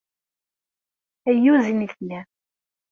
Ayyuz i nitni.